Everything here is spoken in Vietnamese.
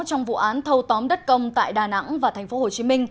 trong vụ án thâu tóm đất công tại đà nẵng và tp hcm